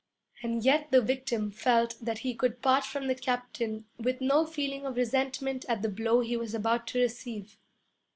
And yet the victim felt that he could part from the captain with no feeling of resentment at the blow he was about to receive.